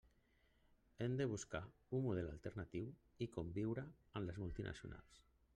Hem de buscar un model alternatiu i conviure amb les multinacionals.